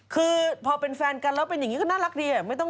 คือพอเป็นแฟนกันแล้วเป็นอย่างนี้ก็น่ารักดี